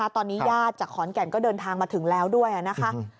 ตอนนี้ญาติจากขอนแก่นก็เดินทางมาถึงแล้วด้วยนะคะ